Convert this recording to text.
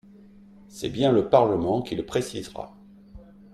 C’est bien le Parlement qui le précisera.